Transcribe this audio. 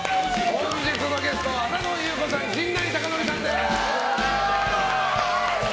本日のゲスト、浅野ゆう子さん陣内孝則さんです。